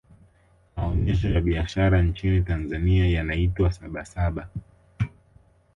maonyesho ya biashara nchini tanzania yanaitwa sabasaba